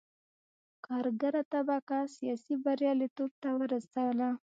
کارګره طبقه سیاسي بریالیتوب ته ورسوله.